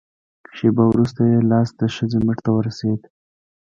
شېبه وروسته يې لاس د ښځې مټ ته ور ورسېد.